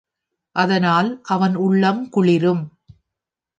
அதனால் அவன் உள்ளம் குளிரும்.